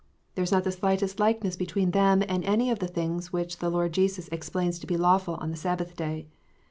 There is not the slightest like ness between them and any of the things which the Lord Jesus explains to bo lawful on the Sabbath Day.